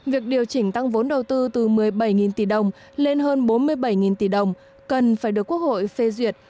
việc điều chỉnh tăng vốn đầu tư từ một mươi bảy tỷ đồng lên hơn bốn mươi bảy tỷ đồng cần phải được quốc hội phê duyệt